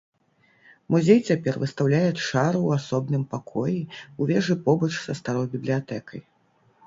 Музей цяпер выстаўляе чару ў асобным пакоі ў вежы побач са старой бібліятэкай.